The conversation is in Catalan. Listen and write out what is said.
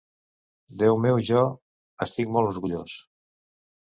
Deu meu Jo, estic molt orgullós!